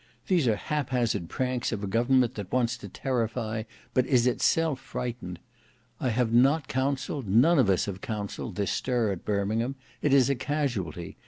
These are hap hazard pranks of a government that wants to terrify, but is itself frightened. I have not counselled, none of us have counselled, this stir at Birmingham. It is a casualty.